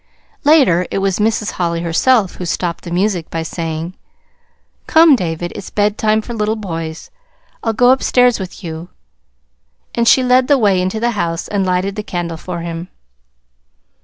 Later, it was Mrs. Holly herself who stopped the music by saying: "Come, David, it's bedtime for little boys. I'll go upstairs with you." And she led the way into the house and lighted the candle for him.